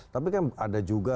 tapi kan ada juga